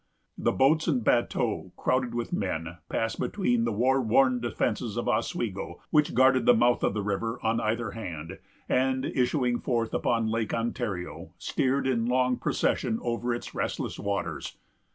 The boats and bateaux, crowded with men, passed between the war worn defences of Oswego, which guarded the mouth of the river on either hand, and, issuing forth upon Lake Ontario, steered in long procession over its restless waters.